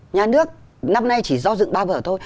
nhà nước năm nay chỉ do dựng ba vở thôi